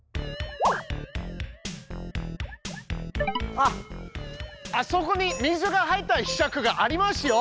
あっあそこに水が入ったひしゃくがありますよ。